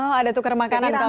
oh ada tukar makanan kalau